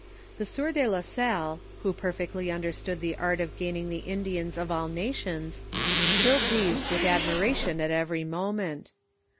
The si ear de la Salle, who perfectly underetood the art of gaining the Indians of all nations, filled these with ad miration at every moment.